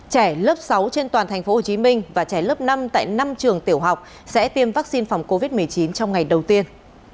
trẻ lớp sáu trên toàn tp hcm và trẻ lớp năm tại năm trường tiểu học sẽ tiêm vaccine phòng covid một mươi chín trong ngày đầu tiên